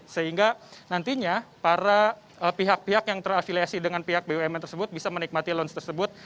sehingga nantinya para pihak pihak yang terafiliasi dengan pihak bumn tersebut bisa menikmati lounge tersebut